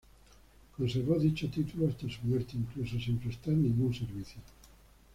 Conservó dicho título hasta su muerte, incluso sin prestar ningún servicio.